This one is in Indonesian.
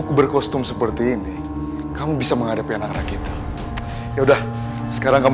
ketika sudah kesulitan ustad datang what ladies kalo